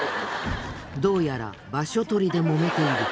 どうやら場所取りでもめている。